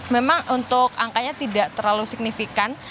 memang untuk angkanya tidak terlalu signifikan